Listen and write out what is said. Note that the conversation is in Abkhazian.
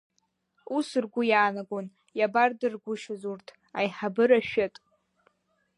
Ус ргәы иаанагон, иабардыргәышьоз урҭ, аиҳабыра шәыт!